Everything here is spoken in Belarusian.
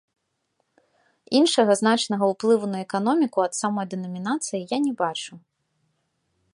Іншага значнага ўплыву на эканоміку ад самой дэнамінацыі я не бачу.